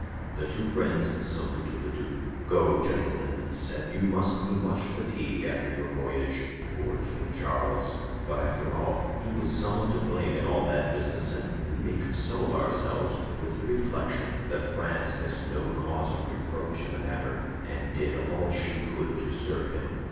The two friends saluted the duke. "Go, gentlemen," he said; "you must be much fatigued after your voyage. Poor King Charles! But, after all, he was somewhat to blame in all that business and we may console ourselves with the reflection that France has no cause of reproach in the matter and did all she could to serve him."